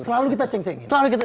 selalu kita ceng cengin